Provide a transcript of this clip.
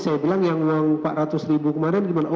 saya bilang yang uang empat ratus ribu kemarin gimana